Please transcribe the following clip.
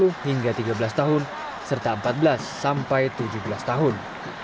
dua belas hingga tiga belas tahun serta empat belas hingga tujuh belas tahun